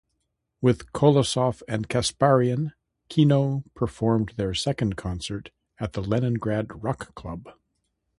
With Kolosov and Kasparyan, Kino performed their second concert at the Leningrad Rock Club.